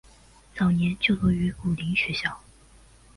早年就读于武岭学校。